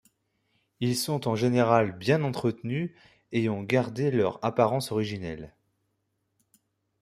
Ils sont en général bien entretenus et ont gardé leur apparence originelle.